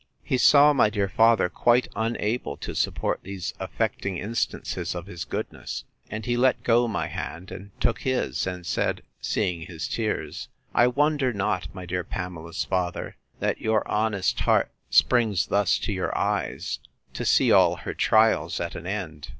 He saw my dear father quite unable to support these affecting instances of his goodness;—and he let go my hand, and took his; and said, seeing his tears, I wonder not, my dear Pamela's father, that your honest heart springs thus to your eyes, to see all her trials at an end.